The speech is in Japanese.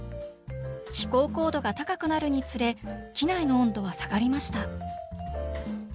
飛行高度が高くなるにつれ機内の温度は下がりました